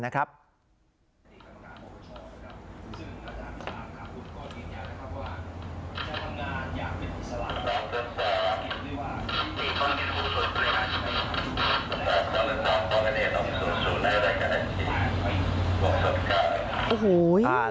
สำหรับการรับข้อมูลต้องสูญสูญได้รายการที่๖๙